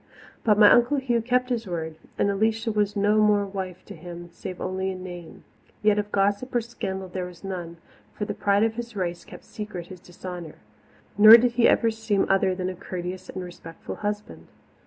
But my Uncle Hugh kept his word, and Alicia was no more wife to him, save only in name. Yet of gossip or scandal there was none, for the pride of his race kept secret his dishonour, nor did he ever seem other than a courteous and respectful husband.